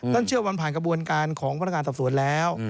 เชื่อวันผ่านกระบวนการของพนักงานสอบสวนแล้ว